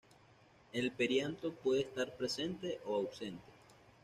El perianto puede estar presente o ausente.